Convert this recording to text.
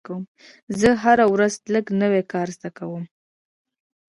زه هره ورځ لږ نوی کار زده کوم.